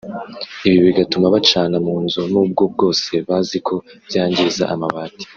Ibi bigatuma bacana mu nzu n’ubwo bwose bazi ko byangiza amabati